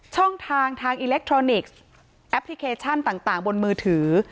ช่องทางทางอิเล็กทรอนิกส์แอปพลิเคชันต่างบนมือถือ